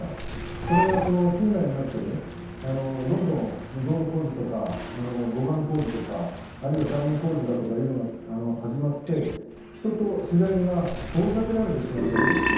それが近代になってどんどん道路工事とか護岸工事とかあるいはダム工事だとかいうのが始まって人と自然が遠ざけられてしまったわけですね。